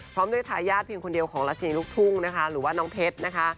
พร้อมด้วยทายาทเพียงคนเดียวของราชินีลูกทุ่งนะคะหรือว่าน้องเพชรนะคะ